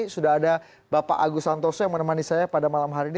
sudah ada bapak agus santoso yang menemani saya pada malam hari ini